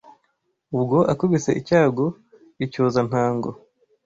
Ubwo akubise icyago icyoza ntango